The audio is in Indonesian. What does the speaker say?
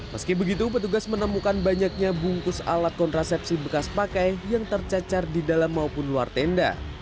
meski begitu petugas menemukan banyaknya bungkus alat kontrasepsi bekas pakai yang tercacar di dalam maupun luar tenda